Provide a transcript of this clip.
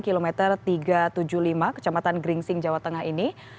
kilometer tiga ratus tujuh puluh lima kecamatan gringsing jawa tengah ini